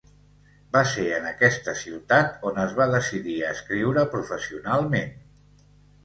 Va ser en aquesta ciutat on es va decidir a escriure professionalment.